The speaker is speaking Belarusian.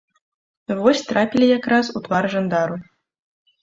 Вось трапілі якраз у твар жандару!